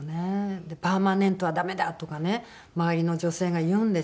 「パーマネントはダメだ」とかね周りの女性が言うんですよ。